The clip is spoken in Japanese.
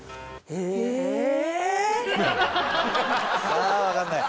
さあわかんない。